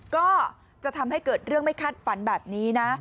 ก็จะทำให้เกิดเรื่องไม่คาดฝันแบบนี้นะ